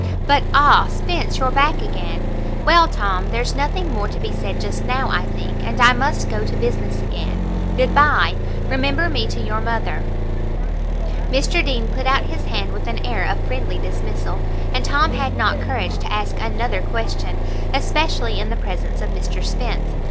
But—Ah, Spence, you're back again. Well Tom, there's nothing more to be said just now, I think, and I must go to business again. Good by. Remember me to your mother." Mr Deane put out his hand, with an air of friendly dismissal, and Tom had not courage to ask another question, especially in the presence of Mr Spence.